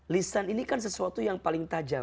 lisan ini kan sesuatu yang paling tajam